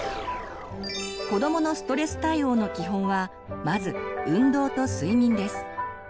子どものストレス対応の基本はまず運動と睡眠です。